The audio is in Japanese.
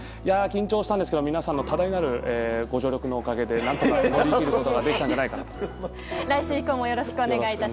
緊張したんですけど皆さんの多大なるご助力のおかげで、何とか乗り切ることができました。